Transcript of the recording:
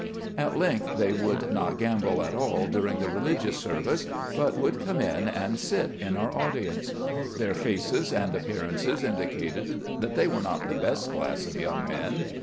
At length they would not gamble at all during the religious service, but would come in, and sit in our audience. Their faces and appearances indicated that they were not the best class of young men.